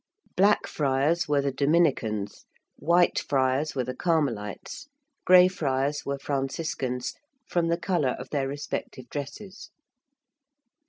~Blackfriars~ were the Dominicans; ~Whitefriars~ were the Carmelites; ~Greyfriars~ were Franciscans, from the colour of their respective dresses.